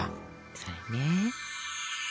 それね。